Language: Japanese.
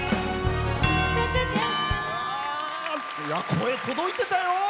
声、届いてたよ。